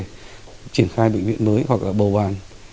chúng ta có thể triển khai bệnh viện mới hoặc là bầu bàn